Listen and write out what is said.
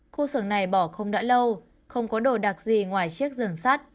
khu sưởng này bỏ không đã lâu không có đồ đặc gì ngoài chiếc giường sắt